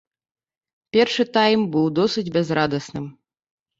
Першы тайм быў досыць бязрадасным.